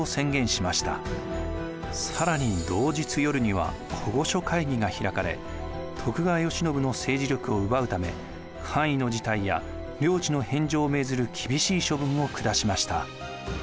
更に同日夜には小御所会議が開かれ徳川慶喜の政治力を奪うため官位の辞退や領地の返上を命ずる厳しい処分を下しました。